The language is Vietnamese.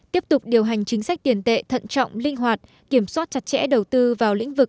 tiếp tục điều hành chính sách tiền tệ thận trọng linh hoạt kiểm soát chặt chẽ đầu tư